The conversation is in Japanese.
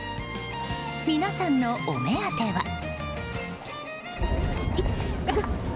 皆さんのお目当ては。